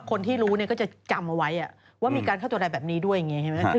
คนที่รู้เนี่ยก็จะจำเอาไว้ว่ามีการฆ่าตัวใดแบบนี้ด้วยอย่างนี้ใช่ไหม